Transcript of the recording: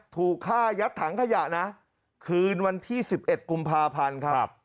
ถูกฆ่ายัดถังขยะนะคืนวันที่๑๑กุมภาพันธ์ครับ